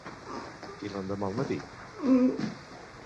I l'endemà al matí?